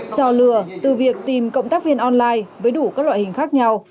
cho lừa từ việc tìm cộng tác viên online với đủ các loại hình khác nhau